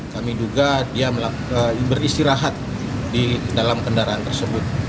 kami duga dia beristirahat di dalam kendaraan tersebut